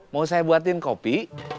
mau saya buatin kopi